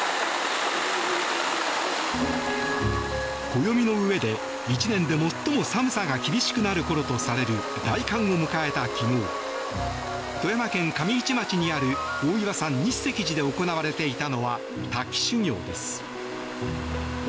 暦のうえで１年で最も寒さが厳しくなる頃とされる大寒を迎えた昨日富山県上市町にある大岩山日石寺で行われていたのは滝修行です。